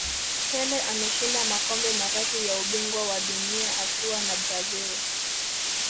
pele ameshinda makombe matatu ya ubingwa wa dunia akiwa na brazil